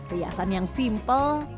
riasan yang simple